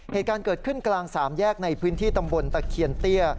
เหตุการณ์เกิดขึ้นกลางสามแยกในพื้นที่ตำบลตะเคียนเตี้ย